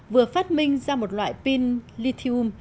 vừa phát minh ra một loại pin lithium